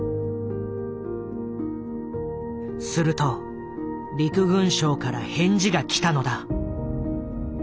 すると陸軍省から返事が来たのだ。